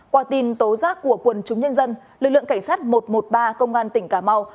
qua tin tố giác của quần chúng nhân dân lực lượng cảnh sát một trăm một mươi ba công an tỉnh cà mau